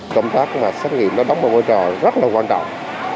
công tác xét nghiệm đó đóng một môi trò rất là quan trọng